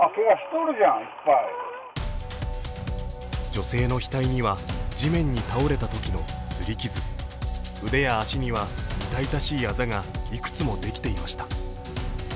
女性の額には地面に倒れたときの擦り傷、腕や足には痛々しいあざがいくつもできていました。